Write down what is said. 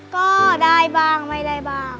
ก็ได้บ้างไม่ได้บ้าง